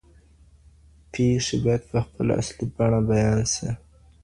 پېښې باید په خپله اصلي بڼه بیان سي.